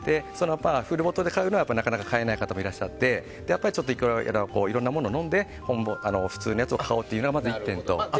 フルボトルで買うのはなかなか買えない方もいて１回いろんなものを飲んで普通のやつを買おうっていうのが１点と。